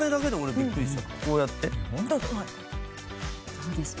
どうですか？